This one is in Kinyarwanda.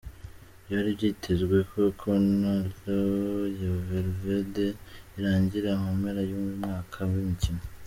Byari byitezwe ko kontaro ya Valverde irangira mu mpera y'uyu mwaka w'imikino.